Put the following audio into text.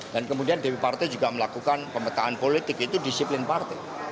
dan kemudian dp partai juga melakukan pemetaan politik itu disiplin partai